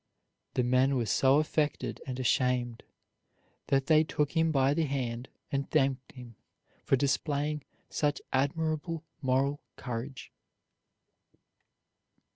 '" The men were so affected and ashamed that they took him by the hand and thanked him for displaying such admirable moral courage.